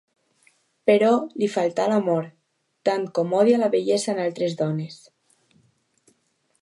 Però li falta l'amor, tant com odia la bellesa en altres dones.